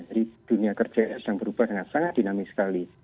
jadi dunia kerja sedang berubah dengan sangat dinamis sekali